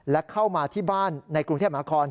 และเข้ามาที่บ้านในกรุงเทพนครสวรรค์